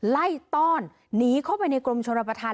ต้อนหนีเข้าไปในกรมชนประธาน